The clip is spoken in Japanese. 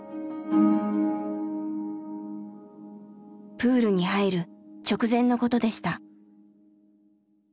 プールに入る直前のことでした。